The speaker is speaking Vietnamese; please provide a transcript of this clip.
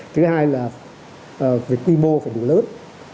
thứ hai là về quy mô phải đủ lớn